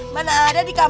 kenapa sih ini